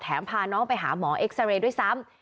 พาน้องไปหาหมอเอ็กซาเรย์ด้วยซ้ำ